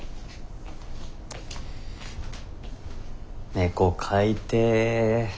猫飼いてえ。